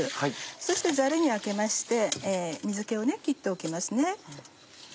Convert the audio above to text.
そしてザルにあけまして水気を切っておきますね。